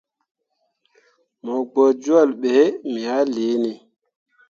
Mo gbo jolle be me ah liini.